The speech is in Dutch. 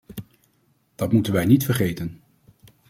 Dat moeten wij niet vergeten.